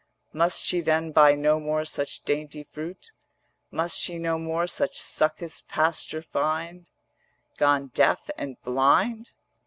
Must she then buy no more such dainty fruit? Must she no more such succous pasture find, Gone deaf and blind?